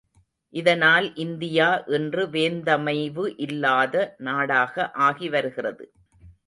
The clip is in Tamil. இதனால் இந்தியா இன்று வேந்தமைவு இல்லாத நாடாக ஆகி வருகிறது.